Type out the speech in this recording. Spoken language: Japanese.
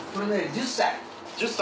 １０歳。